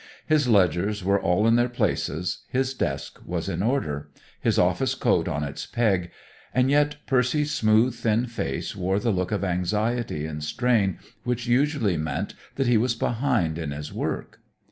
His ledgers were all in their places, his desk was in order, his office coat on its peg, and yet Percy's smooth, thin face wore the look of anxiety and strain which usually meant that he was behind in his work.